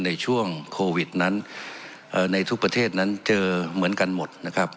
ในช่วงโควิดนั้นในทุกประเทศนั้นเจอเหมือนกันหมดนะครับ